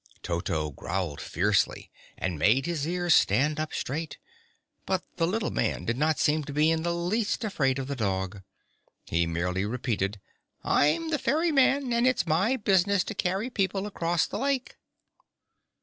Toto growled fiercely and made his ears stand up straight, but the little man did not seem in the least afraid of the dog. He merely repeated: "I'm the ferryman, and it's my business to carry people across the lake."